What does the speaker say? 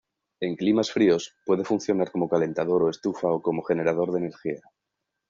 En climas fríos, puede funcionar como calentador o estufa o como generador de energía.